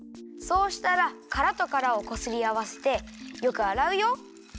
そうしたらからとからをこすりあわせてよくあらうよ。